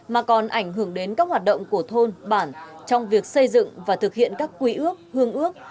mà còn ảnh hưởng đến các hoạt động của thôn bản trong việc xây dựng và thực hiện các quy ước hương ước